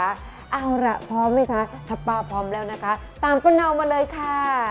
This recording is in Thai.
เอาล่ะพร้อมไหมคะถ้าป้าพร้อมแล้วนะคะตามป้าเนามาเลยค่ะ